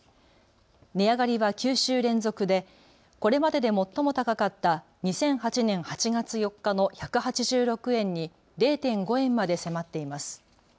値上がりは９週連続でこれまでで最も高かった２００８年８月４日の１８６円に０．５円まで迫っています。